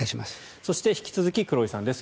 そして、引き続き黒井さんです。